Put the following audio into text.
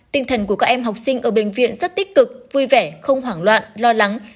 tinh thần của các em học sinh ở bệnh viện rất tích cực vui vẻ không hoảng loạn lo lắng